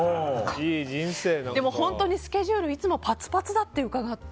でも本当にスケジュールいつもパツパツだと伺って。